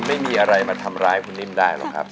ไม่มีอะไรมาทำร้ายคุณนิ่มได้หรอกครับ